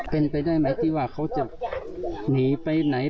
เป็นไปได้ไหมที่ว่าเขาจะหนีไปไหน